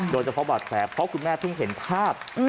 โดยเฉพาะบาดแผลเพราะคุณแม่เพิ่งเห็นภาพ